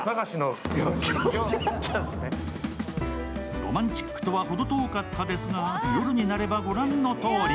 ロマンチックとは程遠かったですが夜になれば御覧のとおり。